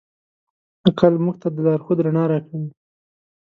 عقل موږ ته د لارښود رڼا راکوي.